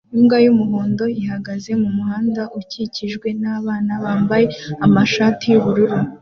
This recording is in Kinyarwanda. Imbwa y'umuhondo ihagaze mumuhanda ukikijwe nabana bambaye amashati yubururu